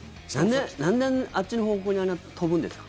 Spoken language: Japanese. なんで、あっちの方向にあんな飛ぶんですか？